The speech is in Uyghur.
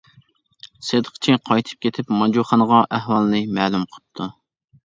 «سېتىقچى» قايتىپ كېتىپ مانجۇ خانىغا ئەھۋالنى مەلۇم قىپتۇ.